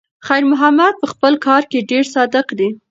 خیر محمد په خپل کار کې ډېر صادق دی.